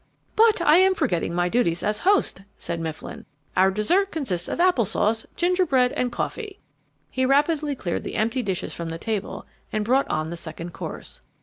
"But I am forgetting my duties as host," said Mifflin. "Our dessert consists of apple sauce, gingerbread, and coffee." He rapidly cleared the empty dishes from the table and brought on the second course.